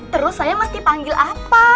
terus saya mesti panggil apa